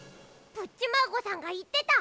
プッチマーゴさんがいってた。